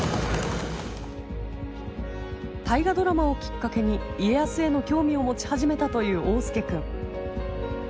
「大河ドラマ」をきっかけに家康への興味を持ち始めたという桜介くん。